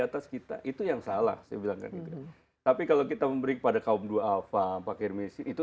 atas kita itu yang salah saya bilang kan gitu tapi kalau kita memberi kepada kaum dua alfa pakai remisi itu